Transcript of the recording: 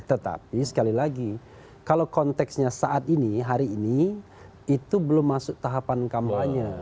tetapi sekali lagi kalau konteksnya saat ini hari ini itu belum masuk tahapan kampanye